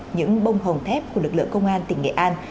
những bông hồng thép của lực lượng công an tỉnh nghệ an